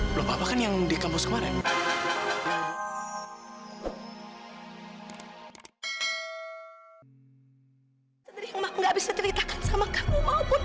belum apa apa kan yang di kampus kemarin